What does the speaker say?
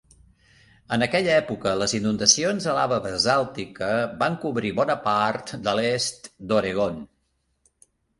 En aquella època, les inundacions de lava basàltica van cobrir bona part de l'est d'Oregon.